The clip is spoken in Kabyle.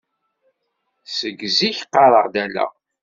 Seg zik qqareɣ-d ala.